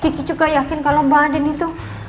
kiki juga yakin kalau mbak andin itu